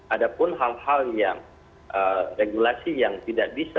ada pun hal hal yang regulasi yang tidak bisa